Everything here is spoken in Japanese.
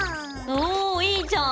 おいいじゃん！